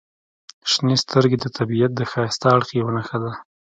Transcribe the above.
• شنې سترګې د طبیعت د ښایسته اړخ یوه نښه ده.